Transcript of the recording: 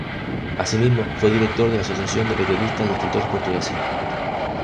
Asimismo, fue director de la Asociación de Periodistas y Escritores Portugueses.